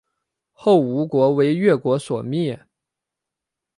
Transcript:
后吴国为越国所灭。